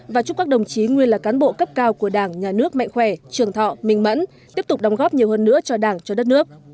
và chúc các đồng chí nguyên là cán bộ cấp cao của đảng nhà nước mạnh khỏe trường thọ minh mẫn tiếp tục đóng góp nhiều hơn nữa cho đảng cho đất nước